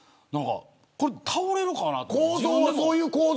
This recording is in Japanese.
構造的に倒れるかなと思って。